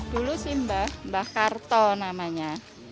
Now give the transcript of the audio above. dulu sih mbak mbak karto namanya